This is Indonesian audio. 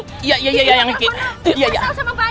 pokoknya gak boleh ada siapapun yang masuk ke rumah ini